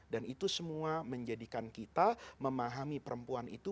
dan itu semua menjadikan kita memahami perempuan itu